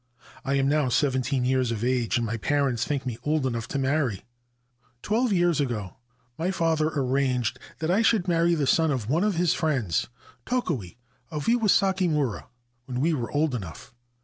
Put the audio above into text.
I am now seventeen years of age, and my parents think me old enough to marry. Twelve years ago my father arranged that I should marry the son of one of his friends, Tokue, of Iwasakimura, when we were old enough.